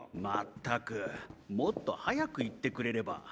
まったくもっと早く言ってくれれば。